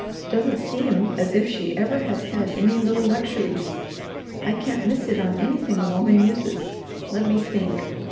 Doesn't seem as if she ever has had any little luxuries. I can't miss it on anything a woman uses. Let me think!"